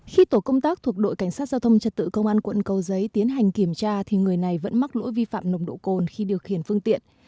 khi tổ công tác thuộc đội cảnh sát giao thông trật tự công an quận cầu giấy tiến hành kiểm tra thì người này vẫn mắc lỗi vi phạm nồng độ cồn khi điều khiển phương tiện